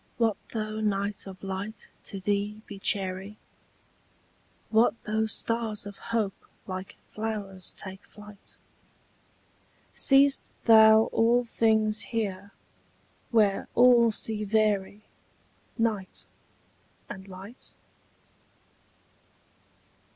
What though night of light to thee be chary? What though stars of hope like flowers take flight? Seest thou all things here, where all see vary Night and light?